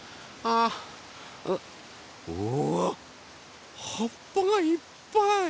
うわっはっぱがいっぱい！